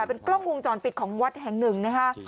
เป็นกล้องวงจรปิดของวัดแห่งหนึ่งนะคะ